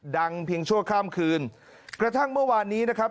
ดังเพียงชั่วข้ามคืนกระทั่งเมื่อวานนี้นะครับ